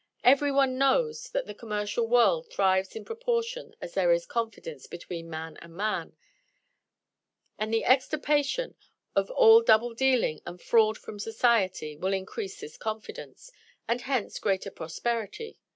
Every one knows that the commercial world thrives in proportion as there is confidence between man and man; and the extirpation of all double dealing and fraud from society will increase this confidence, and hence greater prosperity.